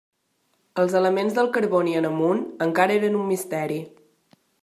Els elements del carboni en amunt encara eren un misteri.